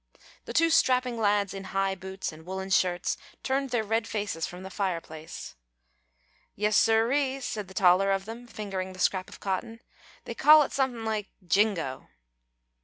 The two strapping lads in high boots and woollen shirts turned their red faces from the fireplace. "Yes, siree," said the taller of them, fingering the scrap of cotton; "they call it something like jingo."